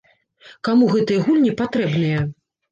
Каму гэтыя гульні патрэбныя?